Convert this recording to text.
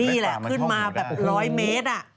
นี่แหละขึ้นมาแบบร้อยเมตรอ่ะ